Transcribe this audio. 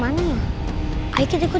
maka ini udah resurrected terus aku